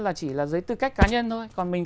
là chỉ là dưới tư cách cá nhân thôi còn mình